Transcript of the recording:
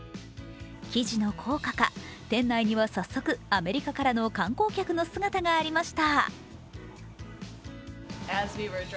記事の効果か、店内には早速アメリカからの観光客の姿がありました。